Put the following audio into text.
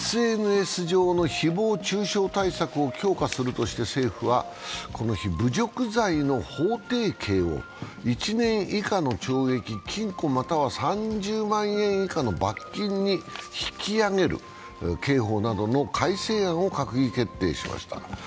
ＳＮＳ上の誹謗中傷対策を強化するとして政府はこの日、侮辱罪の法定刑を１年以下の懲役・禁錮または３０万円以下の罰金に引き上げる刑法などの改正案を閣議決定しました。